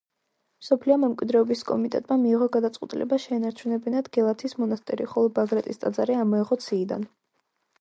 მსოფლიო მემკვიდრეობის კომიტეტმა მიიღო გადაწყვეტილება შეენარჩუნებინათ გელათის მონასტერი, ხოლო ბაგრატის ტაძარი ამოეღოთ სიიდან.